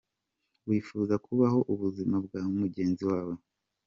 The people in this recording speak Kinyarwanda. Wifuza kubaho ubuzima bwa mugenzi wawe.